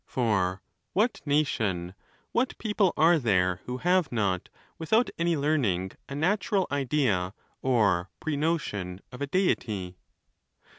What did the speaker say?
For what nation, what people are there, who have not, without any learning, a natural idea, or prenotion, of a Deity?